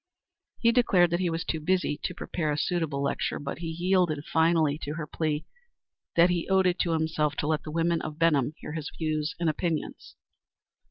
He declared that he was too busy to prepare a suitable lecture, but he yielded finally to her plea that he owed it to himself to let the women of Benham hear his views and opinions.